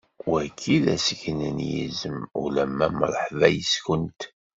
Wagi d asgen n yizem, ulama mṛeḥba yes-kunt.